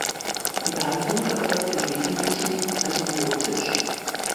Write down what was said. Die Behandlung erfolgt im Wesentlichen antibiotisch.